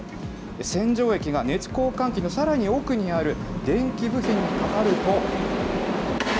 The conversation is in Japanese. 洗浄液が熱交換器のさらに奥にある電気部品にかかると。